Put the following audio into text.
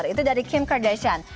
itu dari kim kardashian